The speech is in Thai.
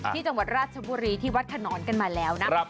ที่จังหวัดราชบุรีที่วัดขนอนกันมาแล้วนะ